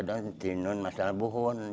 di nunuknya masalah buhon